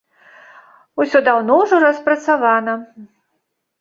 Усё даўно ўжо распрацавана.